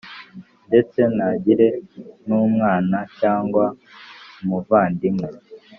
Ndetse ntagire n umwana cyangwa umuvandimwe